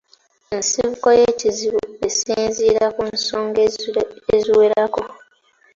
Ensibuko y’ekizibu esinziira ku nsonga eziwerako.